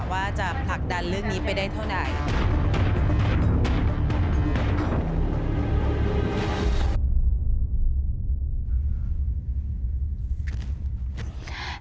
ว่าจะผลักดันเรื่องนี้ไปได้เท่าไหร่